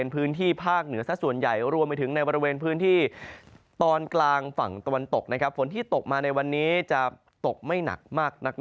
พื้นที่สีเขียวตกปานกลาง